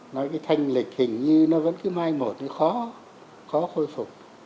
nói cái thanh lịch hình như nó vẫn cứ mai một nó khó khó khôi phục